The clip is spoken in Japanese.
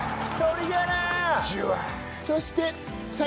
そして酒！